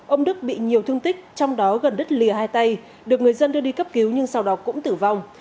ông đức bị nhiều thương tích trong đó gần đứt lìa hai tay được người dân đưa đi cấp cứu nhưng sau đó cũng tử vong